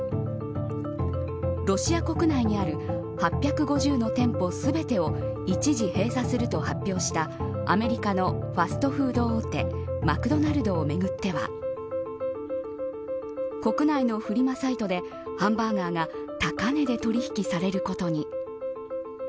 ロシア国内にある８５０の店舗全てを一時閉鎖すると発表したアメリカのファストフード大手マクドナルドをめぐっては国内のフリマサイトでハンバーガーが高値で取り引きされることに。